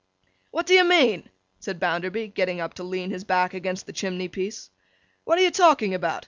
'What do you mean?' said Bounderby, getting up to lean his back against the chimney piece. 'What are you talking about?